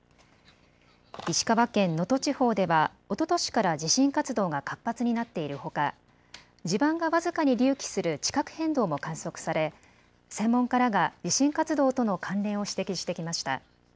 石川県能登地方ではおととしから地震活動が活発になっているほか地盤が僅かに隆起する地殻変動も観測され専門家らが地震活動との関連を指摘してきました。